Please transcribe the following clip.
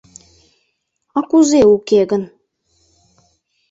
— А кузе, уке гын...